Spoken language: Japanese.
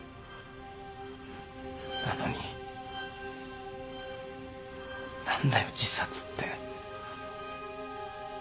なのに何だよ自殺って。